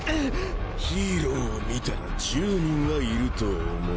「ヒーローを見たら１０人はいると思え」